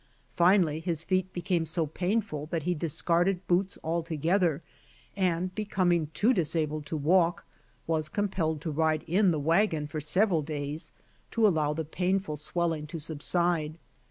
Finally his feet became so painful that he discarded boots altogether, and becoming too disabled to walk, was compelled to ride in the wagon for several days to allow the painful swelling to subside.